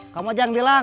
kamu aja yang bilang